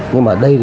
nhưng mà ở đây